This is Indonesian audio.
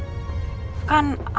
jadi anak nan